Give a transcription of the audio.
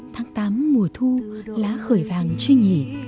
tháng tám mùa thu lá khởi vàng chưa nhỉ